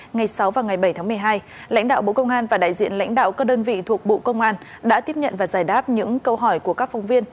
ngày sáu và ngày bảy tháng một mươi hai lãnh đạo bộ công an và đại diện lãnh đạo các đơn vị thuộc bộ công an đã tiếp nhận và giải đáp những câu hỏi của các phóng viên